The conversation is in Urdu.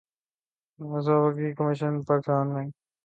مسابقتی کمیشن پاکستان نے سیمنٹ بنانے والوں کا ریکارڈ قبضے میں لے لیا